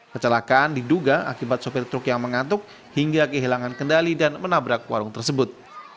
kecelakaan diduga akibat sopir truk yang mengantuk hingga kehilangan kendali dan menabrak warung tersebut